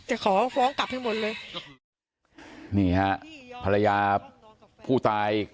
จะขอฟ้องกลับให้หมดเลยนี่ฮะภรรยาผู้ตาย